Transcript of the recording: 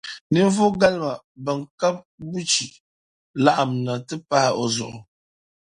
ninvuɣu galima bɛn ka buchi laɣim na ti pahi o zuɣu.